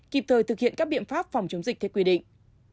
kịp thời thực hiện các biện pháp phòng chống dịch theo quy định